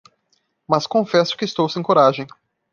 Mas, confesso que estou sem coragem